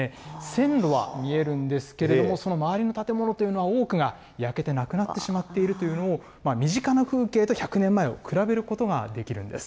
線路は見えるんですけれども、その周りの建物というのは、多くが焼けてなくなってしまっているというのを、身近な風景と１００年前を比べることができるんです。